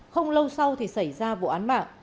không lâu sau thì xảy ra vụ án mạng